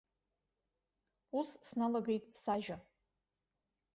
Ус сналагеит сажәа.